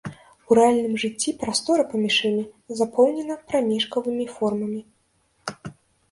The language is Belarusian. У рэальным жыцці прастора паміж імі запоўнена прамежкавымі формамі.